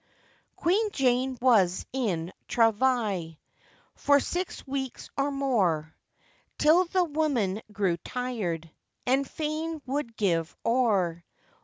] QUEEN JANE was in travail For six weeks or more, Till the women grew tired, And fain would give o'er.